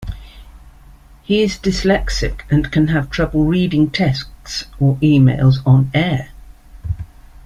He is dyslexic and can have trouble reading texts or emails on air.